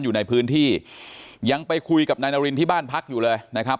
อยู่ในพื้นที่ยังไปคุยกับนายนารินที่บ้านพักอยู่เลยนะครับ